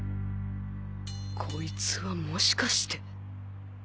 こいつはもしかして